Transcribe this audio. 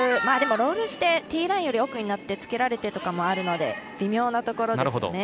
でもロールしてティーラインよりも奥につけられてとかもあるので微妙なところです。